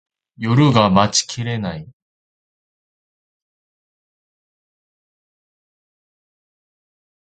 夜が待ちきれない